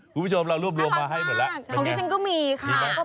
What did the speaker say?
กูผู้ชมเรารวมรวมมาให้หมดแล้ว